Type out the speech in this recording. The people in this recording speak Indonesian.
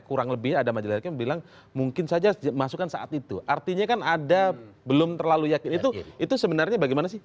kurang lebih ada majelis hakim bilang mungkin saja masukan saat itu artinya kan ada belum terlalu yakin itu sebenarnya bagaimana sih